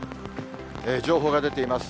情報が出ています。